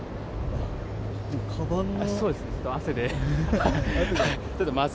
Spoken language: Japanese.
かばんの。